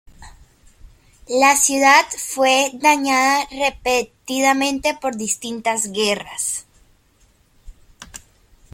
La ciudad fue dañada repetidamente por distintas guerras.